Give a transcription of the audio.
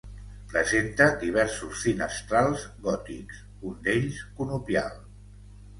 Presenta diversos finestrals gòtics, un d'ells conopial.